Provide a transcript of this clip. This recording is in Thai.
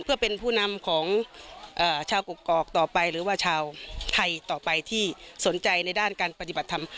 เพื่อเป็นผู้นำของชาวกกอกต่อไปหรือว่าชาวไทยต่อไปที่สนใจในด้านการปฏิบัติธรรม